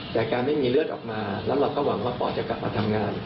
แต่การไม่มีเลือดออกมาแล้วเราก็หวังว่าปอดจะกลับมาทำงาน